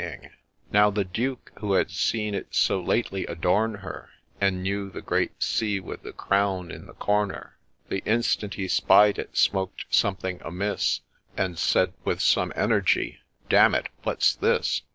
174 THE TRAGEDY Now the Duke, who had seen it so lately adorn her, And knew the great C with the Crown in the corner, The instant he spied it, srnoked something amiss, And said, with some energy, ' D it ! what 's this